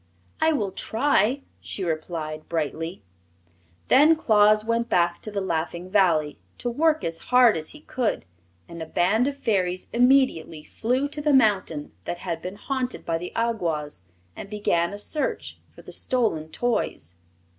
"I will try," she replied, brightly. Then Claus went back to the Laughing Valley, to work as hard as he could, and a band of Fairies immediately flew to the mountain that had been haunted by the Awgwas and began a search for the stolen toys.